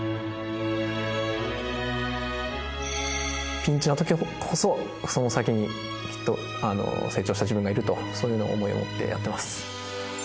ピンチの時こそその先にきっと成長した自分がいるという思いを持ってやってます。